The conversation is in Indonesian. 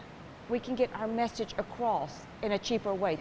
kita bisa mengembangkan mesej kita dengan cara yang lebih murah